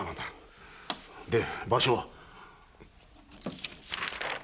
で場所は？